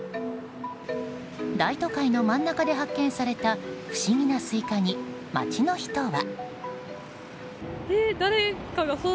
大都会の真ん中で発見された不思議なスイカに街の人は。